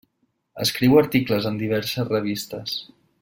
Escriu articles en diverses revistes.